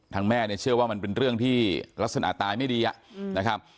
แม่เนี่ยเชื่อว่ามันเป็นเรื่องที่ลักษณะตายไม่ดีนะครับ